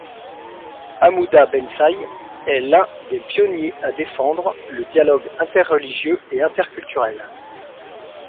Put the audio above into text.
Hamouda Bensai est l'un des pionniers à défendre le dialogue interreligieux et interculturel.